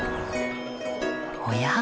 おや？